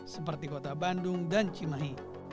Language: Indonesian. seperti kota bandung dan cimahi